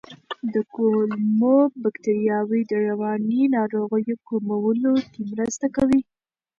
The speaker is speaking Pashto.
د کولمو بکتریاوې د رواني ناروغیو کمولو کې مرسته کوي.